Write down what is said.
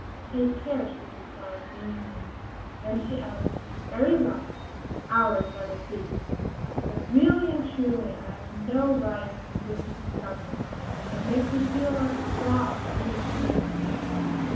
"Take care!" she replied, meaningly, then she added: "Very well! Ours let it be. But really and truly I have no right to its discovery; it makes me feel like a fraud to hear you say so."